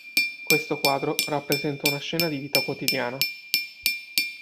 Questo quadro rappresenta una scena di vita quotidiana.